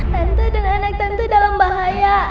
tante dan anak tentu dalam bahaya